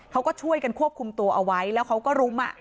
เขาก็ช่วยกันควบคุมตัวเอาไว้แล้วเขาก็รุม